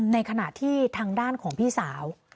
ในขณะที่ทางด้านของพี่สาว